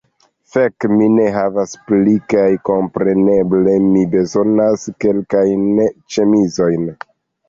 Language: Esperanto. Fek', mi ne havas pli. Kaj kompreneble mi bezonas kelkajn ĉemizojn